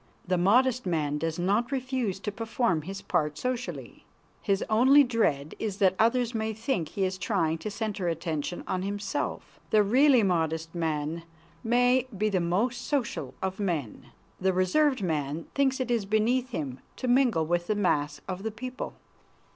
The modest man does not refuse to perform his part socially. His only dread is that others may think he is trying to center attention on himself. The really modest man may be the most social of men. The reserved man thinks it is beneath him to mingle with the mass of the people.